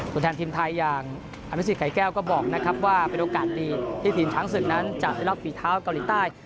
ตัวแทนทีมไทยอย่างอนุสิตไก่แก้วก็บอกนะครับว่าเป็นโอกาสดีที่ทีมช้างศึกนั้นจะได้รอบฝีเท้าเกาหลีใต้